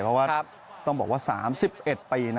เพราะว่าต้องบอกว่า๓๑ปี